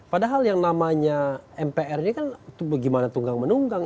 padahal yang namanya mpr ini kan bagaimana tunggang menunggang